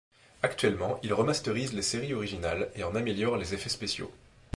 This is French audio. Actuellement il remastérise les séries originales et en améliore les effets spéciaux.